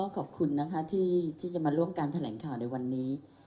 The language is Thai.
ขอบคุณนะคะที่จะมาร่วมการแถลงข่าวในวันนี้